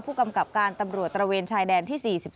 ผู้กำกับการตำรวจตระเวนชายแดนที่๔๔